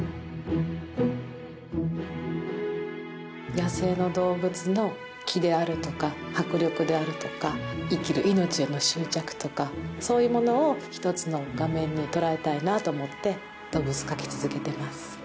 野生の動物の気であるとか迫力であるとか生きる命への執着とかそういうものを一つの画面に捉えたいなと思って動物を描き続けています。